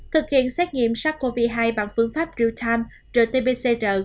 thực hiện xét nghiệm sars cov hai bằng phương pháp real time rt pcr